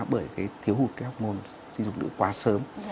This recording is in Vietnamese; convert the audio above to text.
bởi cái thiếu hụt cái hormone sinh dục nữ quá sớm